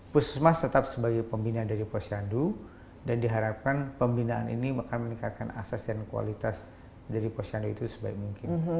puskesmas tetap sebagai pembinaan dari posyandu dan diharapkan pembinaan ini akan meningkatkan asas dan kualitas dari posyandu itu sebaik mungkin